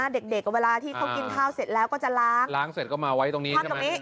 เด็กเวลาที่เขากินข้าวเสร็จแล้วก็จะล้างล้างเสร็จก็มาไว้ตรงนี้